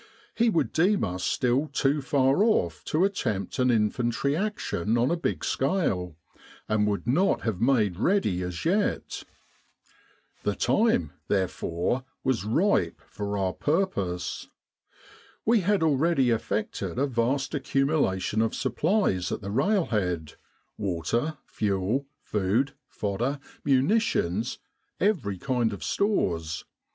He would deem us still too far off to attempt an infantry action on a big scale, and would not have made ready as yet. The time therefore was ripe for our purpose. We had already effected a vast 128 El Arish Maghdaba Rafa accumulation of supplies at the railhead water, fuel, food, fodder, munitions, every kind of stores.